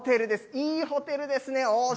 いいホテルですね。